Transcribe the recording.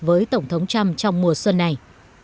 với tổng thống trump trong mùa xuân này